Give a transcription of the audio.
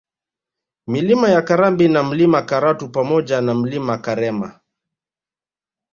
Milima ya Karambi na Mlima Karatu pamoja na Mlima Karema